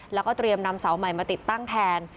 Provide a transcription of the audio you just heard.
แล้วก็เตรียมนำเสาใหม่มาติดตั้งแทน